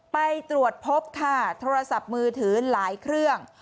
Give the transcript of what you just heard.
ไปตรวจพบค่ะโทรศัพท์มือถือหลายเครื่อง